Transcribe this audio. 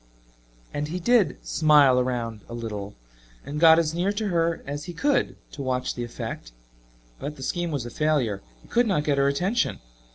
And he did "smile around a little," and got as near to her as he could to watch the effect, but the scheme was a failure he could not get her attention.